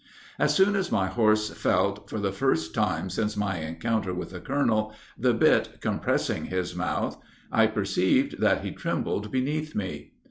"As soon as my horse felt, for the first time since my rencounter with the colonel, the bit compressing his mouth, I perceived that he trembled beneath me.